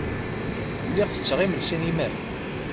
Lliɣ tetteɣ imensi imiren.